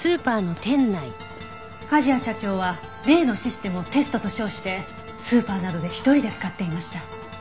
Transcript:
梶谷社長は例のシステムをテストと称してスーパーなどで一人で使っていました。